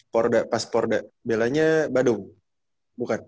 porda pas porda belanya badung bukan